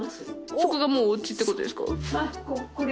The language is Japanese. そこがもうお家ってことですか？